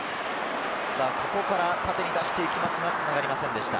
ここから縦に出していきますが、つながりませんでした。